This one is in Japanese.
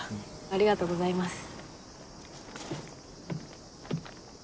ありがとうございます。